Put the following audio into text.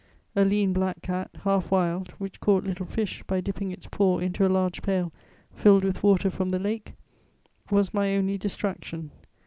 _ A lean black cat, half wild, which caught little fish by dipping its paw into a large pail filled with water from the lake, was my only distraction.